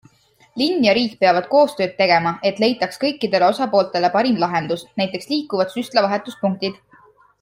Linn ja riik peavad koostööd tegema, et leitaks kõikidele osapooltele parim lahendus, näiteks liikuvad süstlavahetuspunktid.